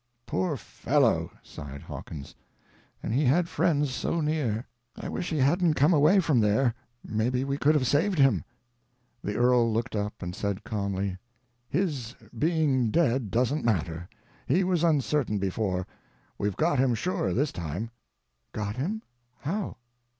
"Poor fellow," sighed Hawkins; "and he had friends so near. I wish we hadn't come away from there—maybe we could have saved him." The earl looked up and said calmly: "His being dead doesn't matter. He was uncertain before. We've got him sure, this time." "Got him? How?"